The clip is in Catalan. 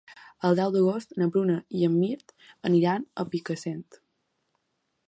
El deu d'agost na Bruna i en Mirt aniran a Picassent.